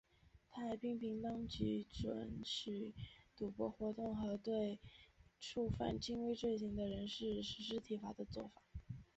他还批评当局准许赌博活动和对触犯轻微罪行的人士施行体罚的作法。